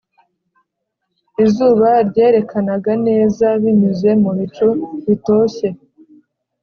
izuba ryerekanaga neza binyuze mu bicu bitoshye